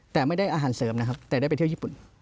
แต่ไม่ได้อาหารเสริมนะครับแต่ได้ไปเที่ยวญี่ปุ่น